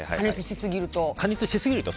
加熱しすぎると。